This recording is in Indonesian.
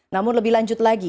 namun lebih lanjut lagi